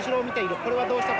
これはどうしたことか？